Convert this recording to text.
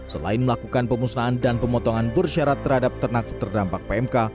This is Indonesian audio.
selain melakukan pemusnahan dan pemotongan bersyarat terhadap ternak terdampak pmk